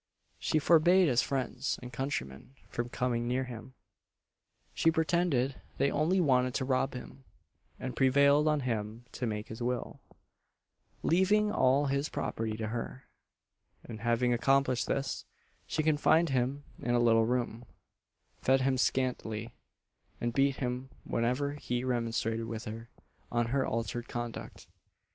She forbade his friends and countrymen from coming near him. She pretended they only wanted to rob him, and prevailed on him to make his will, leaving all his property to her; and having accomplished this, she confined him in a little room, fed him scantily, and beat him whenever he remonstrated with her on her altered conduct.